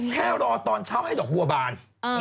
แค่รอตอนเช้าให้ดอกบัวบาน